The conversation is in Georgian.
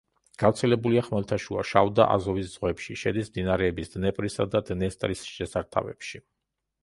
გავრცელებულია ხმელთაშუა, შავ და აზოვის ზღვებში; შედის მდინარეების დნეპრისა და დნესტრის შესართავებში.